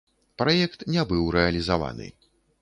Праект не быў рэалізаваны.